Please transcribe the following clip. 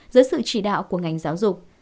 giữa sự chỉ đạo của ngành giáo dục